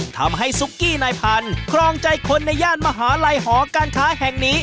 ซุกกี้นายพันธุ์ครองใจคนในย่านมหาลัยหอการค้าแห่งนี้